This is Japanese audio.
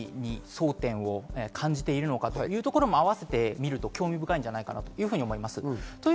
若者がまず何に争点を感じているのかというところも合わせて見ると興味深いんじゃないかなと思います。